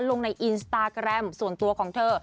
ลงในอินสตาแกรมส่วนตัวของเธอ